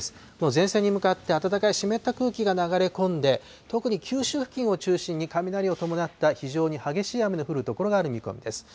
前線に向かって暖かい湿った空気が流れ込んで、特に九州付近を中心に、雷を伴った非常に激しい雨の降る所がありそうです。